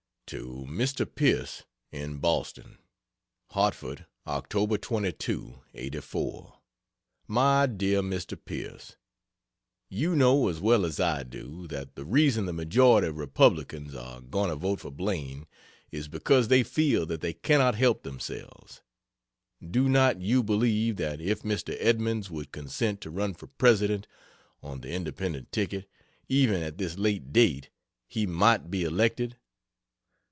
To Mr. Pierce, in Boston: HARTFORD, Oct. 22, '84. MY DEAR MR. PIERCE, You know, as well as I do, that the reason the majority of republicans are going to vote for Blaine is because they feel that they cannot help themselves. Do not you believe that if Mr. Edmunds would consent to run for President, on the Independent ticket even at this late day he might be elected?